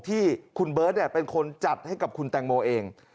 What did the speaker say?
ที่คุณเบิร์ตเป็นคนจัดให้กับคุณแตงโมเอง